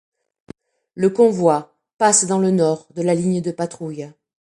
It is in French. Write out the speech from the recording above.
Le convoi passe dans le nord de la ligne de patrouille.